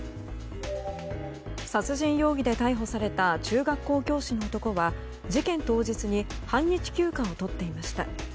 殺人容疑で逮捕された中学校教師の男は事件当日に半日休暇とっていました。